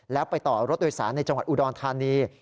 แล้วไปต่อรถโดยสารในจังหวัดอุดรธานี